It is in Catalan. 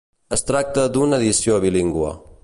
Es tracta d’una edició bilingüe.